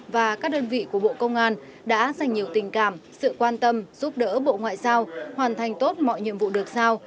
và các đơn vị của bộ công an đã dành nhiều tình cảm sự quan tâm giúp đỡ bộ ngoại giao hoàn thành tốt mọi nhiệm vụ được sao